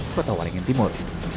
kota waringin timur